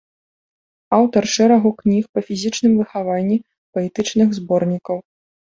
Аўтар шэрагу кніг па фізічным выхаванні, паэтычных зборнікаў.